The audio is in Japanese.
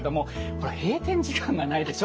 ほら閉店時間がないでしょ？